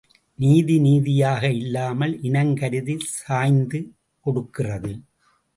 நீதி நீதியாக இல்லாமல் இனம் கருதி சாய்ந்து கொடுக்கிறது.